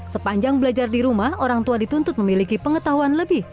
sepanjang belajar di rumah orang tua dituntut memiliki pengetahuan lebih